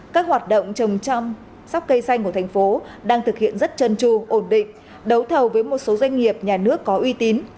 các hoạt động trồng trăm sóc cây xanh của thành phố đang thực hiện rất chân tru ổn định đấu thầu với một số doanh nghiệp nhà nước có uy tín